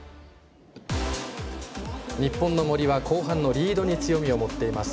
日本の森は後半のリードに強みを持っています。